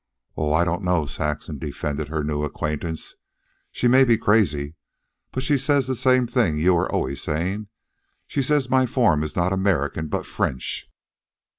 "Oh, I don't know," Saxon defended her new acquaintance. "She may be crazy, but she says the same thing you're always saying. She says my form is not American but French."